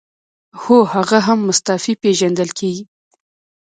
هو هغه هم مستعفي پیژندل کیږي.